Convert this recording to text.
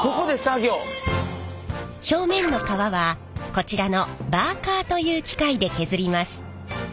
表面の皮はこちらのバーカーという機械で削ります。